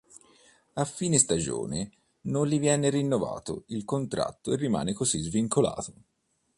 A fine stagione non gli viene rinnovato il contratto e rimane così svincolato.